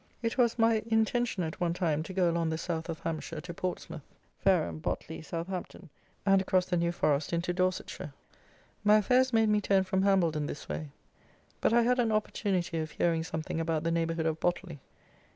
It was my intention, at one time, to go along the south of Hampshire to Portsmouth, Fareham, Botley, Southampton, and across the New Forest into Dorsetshire. My affairs made me turn from Hambledon this way; but I had an opportunity of hearing something about the neighbourhood of Botley.